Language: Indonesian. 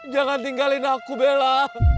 jangan tinggalin aku bella